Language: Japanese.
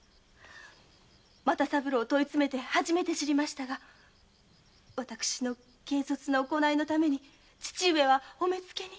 又三郎を問いつめて初めて知りましたが私の軽率な行いのために父上はお目付に。